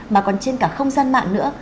mà còn trên cả không gian mạng nữa